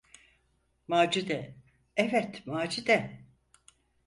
Macide, evet, Macide!